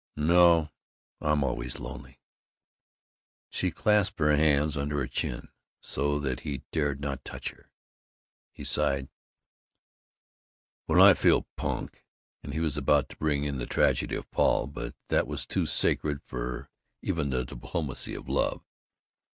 "No, I'm always lonely." She clasped her hands under her chin, so that he dared not touch her. He sighed: "When I feel punk and " He was about to bring in the tragedy of Paul, but that was too sacred even for the diplomacy of love.